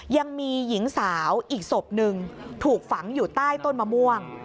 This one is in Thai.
ยังมีหญิงสาวอีกศพหนึ่งถูกฝังอยู่ใต้ต้นมะม่วง